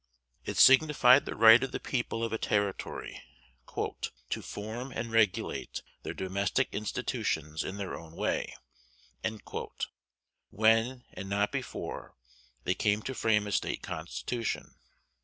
It signified the right of the people of a Territory "to form and regulate their domestic institutions in their own way" when, and not before, they came to frame a State constitution.